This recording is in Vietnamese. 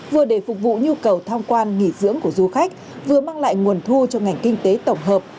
vừa để phục vụ nhu cầu tham quan nghỉ dưỡng của du khách vừa mang lại nguồn thu cho ngành kinh tế tổng hợp